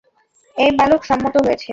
এই বালক সম্মত হয়েছে।